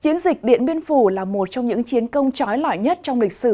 chiến dịch điện biên phủ là một trong những chiến công trói lõi nhất trong lịch sử